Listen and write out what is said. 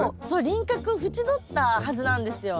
輪郭を縁取ったはずなんですよ。